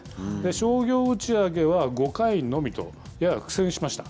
商業打ち上げは５回のみと、やや苦戦しました。